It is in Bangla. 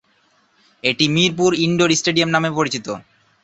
এটি মিরপুর ইনডোর স্টেডিয়াম নামেও পরিচিত।